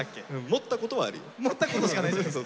持ったことしかない。